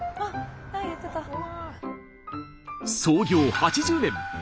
創業８０年！